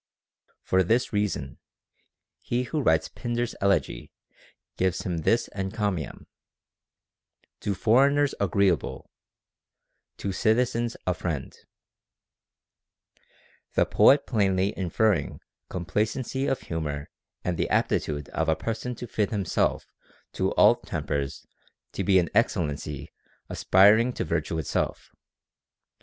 For this reason, he who writes Pindar's elegy gives him this encominra, To foreigners agreeable, to citizens a friend ;* the poet plainly inferring complacency of humor and the aptitude of a person to fit himself to all tempers to be an excellency aspiring to virtue itself.